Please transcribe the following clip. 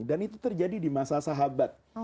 dan itu terjadi di masa sahabat